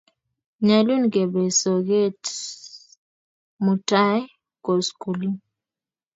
Nyalu kepe soget mutai koskoling'